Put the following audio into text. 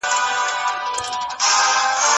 شاګرد د لوړ ږغ سره پاڼه نه ده ړنګه کړې.